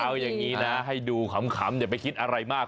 เอาอย่างนี้นะให้ดูขำอย่าไปคิดอะไรมาก